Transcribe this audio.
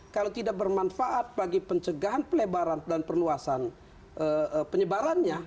kalau tidak bermanfaat bagi pencegahan pelebaran dan perluasan penyebarannya